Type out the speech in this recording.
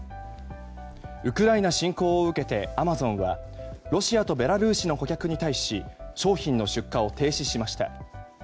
ウクライナ侵攻を受けてアマゾンはロシアとベラルーシの顧客に対し商品の出荷を停止しました。